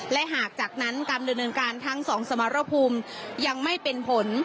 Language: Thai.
และหากจากนั้นการเดินการทางสวสมรพุมยังไม่เป็นผล